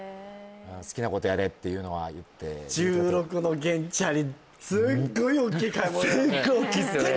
好きなことやれっていうのは言って１６の原チャリすっごい大きいっすよね